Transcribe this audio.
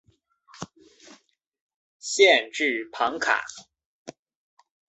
县治庞卡。